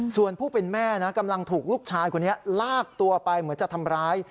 ส่วนผู้เป็นแม่นะกำลังถูกลูกชายคนนี้ลากตัวไปเหมือนจะทำร้าย